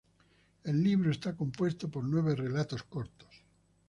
El libro está compuesto por nueve relatos cortos.